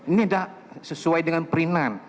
ini tidak sesuai dengan perinan